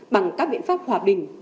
bằng các biện pháp hòa bình